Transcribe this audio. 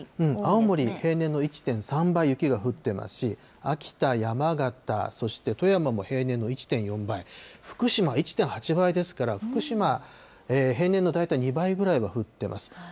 青森、平年の１．３倍雪が降ってますし、秋田、山形、そして富山も平年の１．４倍、福島１．８倍ですから、福島、平年の大体２倍ぐらいは降ってます。